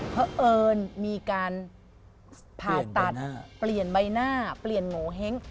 เพราะเอิญมีการผ่าตัดเปลี่ยนใบหน้าเปลี่ยนโงเห้ง